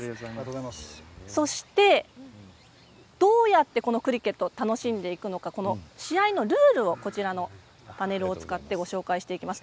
そして、どうやってクリケットを楽しんでいくのか試合のルールをこちらのパネルを使ってご紹介していきます。